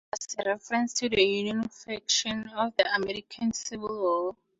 The name was a reference to the Union faction of the American Civil War.